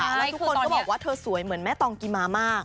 แล้วทุกคนก็บอกว่าเธอสวยเหมือนแม่ตองกิมามาก